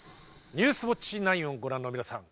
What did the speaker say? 「ニュースウオッチ９」をご覧の皆さん